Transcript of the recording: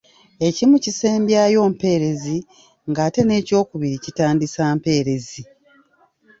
Ekimu kisembyayo mpeerezi nga ate n’ekyokubiri kitandisa mpeerezi.